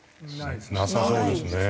なさそうですね。